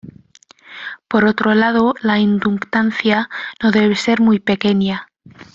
Por otro lado, la inductancia no debe ser muy pequeña.